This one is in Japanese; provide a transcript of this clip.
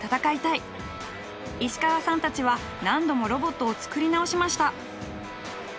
石川さんたちは何度もロボットをつくり直しました。